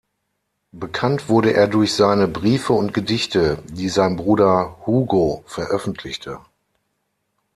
Bekannt wurde er durch seine Briefe und Gedichte, die sein Bruder Hugo veröffentlichte.